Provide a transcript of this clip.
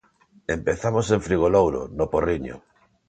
Empezamos en Frigolouro, no Porriño.